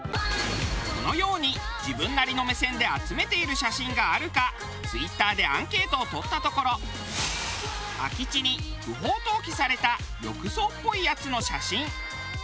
このように自分なりの目線で集めている写真があるかＴｗｉｔｔｅｒでアンケートを取ったところ空き地に不法投棄された浴槽っぽいやつの写真